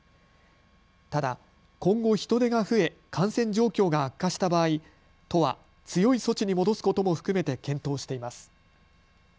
ただ、今後、人出が増え感染状況が悪化した場合、都は強い措置に戻すことも含めて検討しています。